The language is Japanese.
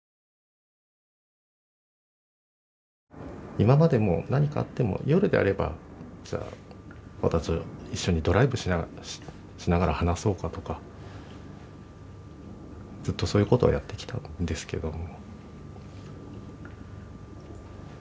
今までも何かあっても夜であればじゃあ私と一緒にドライブしながら話そうかとかずっとそういうことはやってきたんですけども。